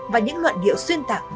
và những luận điệu xuyên tạng